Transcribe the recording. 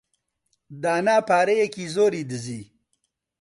دانا پارەیەکی زۆری دزی.